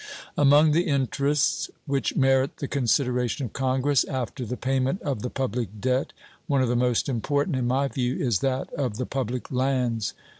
Among the interests which merit the consideration of Congress after the payment of the public debt, one of the most important, in my view, is that of the public lands.